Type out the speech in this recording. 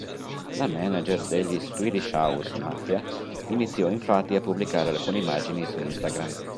La manager degli Swedish House Mafia iniziò, infatti, a pubblicare alcune immagini su Instagram.